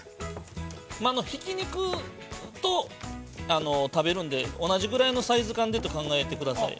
◆ひき肉と食べるんで、同じぐらいのサイズ感でと考えてください。